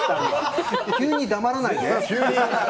急に黙らないで。